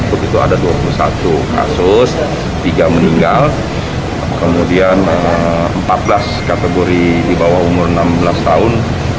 begitu ada dua puluh satu kasus tiga meninggal kemudian empat belas kategori di bawah umur enam belas tahun